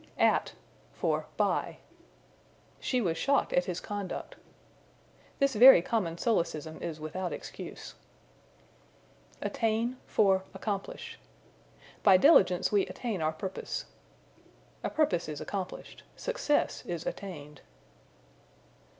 At for By. "She was shocked at his conduct." This very common solecism is without excuse. Attain for Accomplish. "By diligence we attain our purpose." A purpose is accomplished; success is attained.